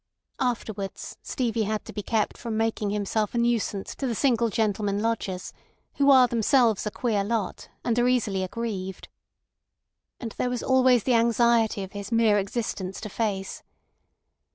Afterwards Stevie had to be kept from making himself a nuisance to the single gentlemen lodgers, who are themselves a queer lot, and are easily aggrieved. And there was always the anxiety of his mere existence to face.